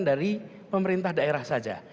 dari pemerintah daerah saja